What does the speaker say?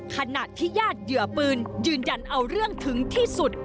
ขณะที่ญาติเหยื่อปืนยืนยันเอาเรื่องถึงที่สุด